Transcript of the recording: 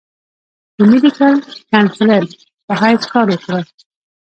د ميډيکل کنسلټنټ پۀ حېث کار اوکړو ۔